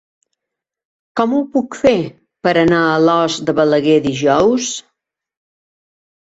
Com ho puc fer per anar a Alòs de Balaguer dijous?